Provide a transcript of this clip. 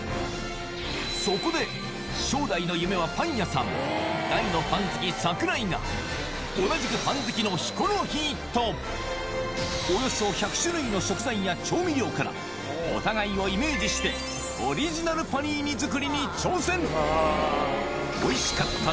そこで、将来の夢はパン屋さん、大のパン好き、桜井が、同じくパン好きのヒコロヒーと、およそ１００種類の食材や調味料から、お互いをイメージして、オリジナルパニーニ作りに挑戦。